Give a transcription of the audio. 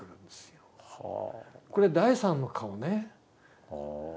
これ第３の顔ね。